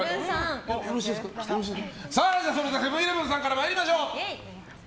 では、セブン‐イレブンさんからまいりましょう。